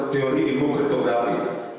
dasar teori ilmu kriptografi